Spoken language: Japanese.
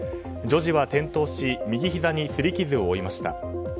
女児は転倒し右ひざに擦り傷を負いました。